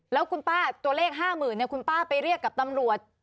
แล้วคุณป้าตัวเลข๕๐๐๐คุณป้าไปเรียกกับตำรวจ